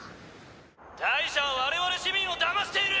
大赦は我々市民をだましている！